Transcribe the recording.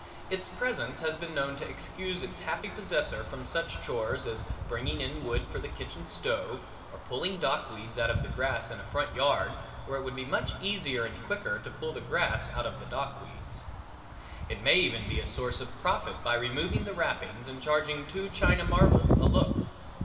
Its presence has been known to excuse its happy possessor from such chores as bringing in wood for the kitchen stove or pulling dock weeds out of the grass in a front yard where it would be much easier and quicker to pull the grass out of the dock weeds. It may even be made a source of profit by removing the wrappings and charging two china marbles a look.